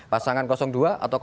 pasangan dua atau satu